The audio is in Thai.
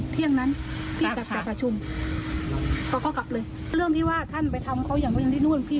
เรียกปกติท่านบอกว่าท่านจะมาค้างที่นี่